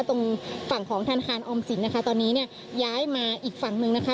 ตรงฝั่งของธนาคารออมสินนะคะตอนนี้เนี่ยย้ายมาอีกฝั่งหนึ่งนะคะ